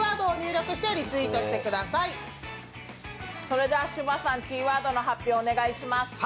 それでは芝さん、キーワードの発表をお願いします。